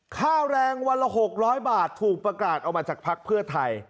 ค่าแรงวันละ๖๐๐บาทถูกประกาศออกมาจากภักดิ์เพื่อไทย